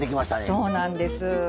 そうなんです。